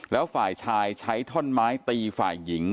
แล้วฝ่ายชายใช้ท่อนไม้ตีฝ่ายหญิง